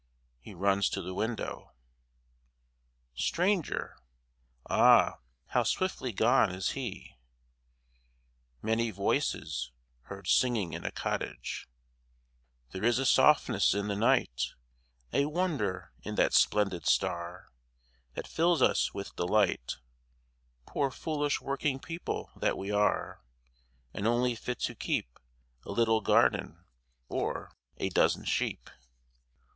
(he runs to the window) STRANGER Ah, how swiftly gone is he! MANY VOICES, (heard singing in a cottage) There is a softness in the night A wonder in that splendid star That fills us with delight, Poor foolish working people that we are, And only fit to keep A little garden or a dozen sheep.